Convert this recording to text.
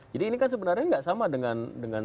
jadi ini kan sebenarnya nggak sama dengan